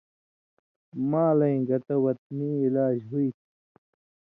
مالَیں گتہ وطنی علاج ہُوئ تھی